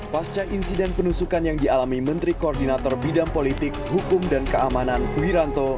pasca insiden penusukan yang dialami menteri koordinator bidang politik hukum dan keamanan wiranto